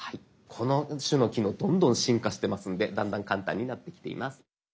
この種の機能どんどん進化してますのでだんだん簡単になってきています。